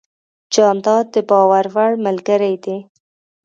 جانداد د باور وړ ملګری دی.